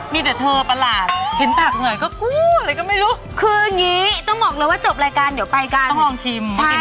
มีแต่เธอประหลาดเห็นผักเหงื่อยก็กูเลยก็ไม่รู้คืออย่างนี้ต้องบอกเลยว่าจบรายการเดี๋ยวไปกันต้องลองชิม